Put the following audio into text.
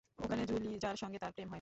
ওখানে জুলিজার সঙ্গে তাঁর প্রেম হয়।